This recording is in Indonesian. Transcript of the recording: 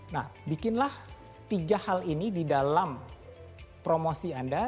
nah bikinlah tiga hal ini di dalam promosi anda